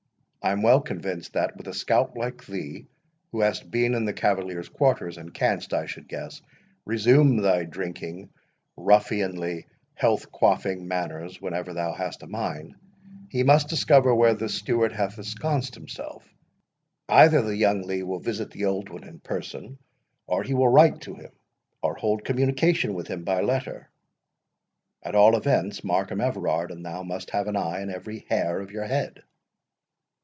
I am well convinced that, with a scout like thee, who hast been in the cavaliers' quarters, and canst, I should guess, resume thy drinking, ruffianly, health quaffing manners whenever thou hast a mind, he must discover where this Stewart hath ensconced himself. Either the young Lee will visit the old one in person, or he will write to him, or hold communication with him by letter. At all events, Markham Everard and thou must have an eye in every hair of your head."